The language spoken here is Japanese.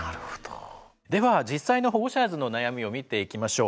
では実際のホゴシャーズの悩みを見ていきましょう。